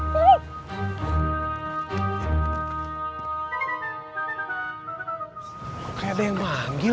para kuadanya manggil